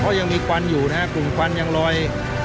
เพราะยังมีควันอยู่นะฮะกลุ่มควันยังลอย